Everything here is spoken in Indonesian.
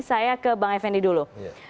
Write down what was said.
saya ke bang effendi dulu